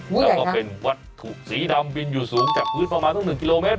แล้วก็เป็นวัตถุสีดำบินอยู่สูงจากพื้นประมาณสัก๑กิโลเมตร